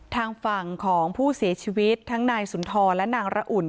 ทางฝั่งของผู้เสียชีวิตทั้งนายสุนทรและนางระอุ่น